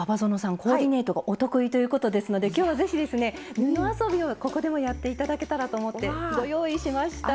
コーディネートがお得意ということですので今日はぜひですね布遊びをここでもやって頂けたらと思ってご用意しました！